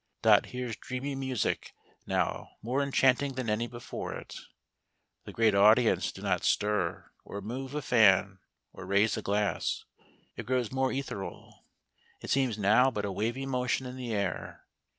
Dot hears dreamy music now, more enchanting than any before it. The great audience do not stir, or move a fan, or raise a glass. It grows more ethereal; it seems now but a wavy motion in the air.